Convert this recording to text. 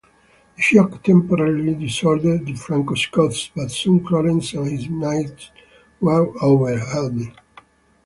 The shock temporarily disordered the Franco-Scots, but soon Clarence and his knights were overwhelmed.